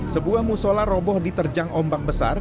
sebuah musola roboh diterjang ombak besar